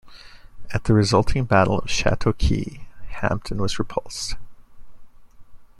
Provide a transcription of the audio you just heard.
At the resulting Battle of the Chateauguay, Hampton was repulsed.